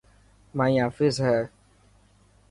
مائي آفيس هي.